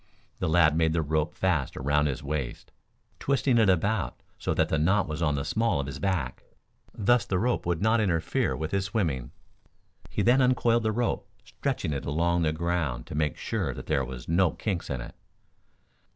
The lad made the rope fast around his waist, twisting it about so that the knot was on the small of his back. Thus the rope would not interfere with his swimming. He then uncoiled the rope, stretching it along the ground to make sure that there were no kinks in it.